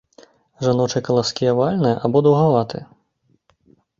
Жаночыя каласкі авальныя або даўгаватыя.